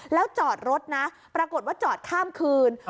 แล้วจอดรถนะปรากฏว่าจอดข้ามคืน